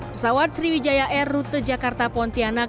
pesawat sriwijaya air rute jakarta pontianak